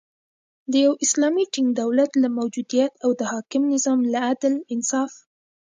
د یو اسلامی ټینګ دولت له موجودیت او د حاکم نظام له عدل، انصاف